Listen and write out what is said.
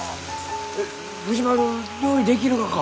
えっ藤丸料理できるがか？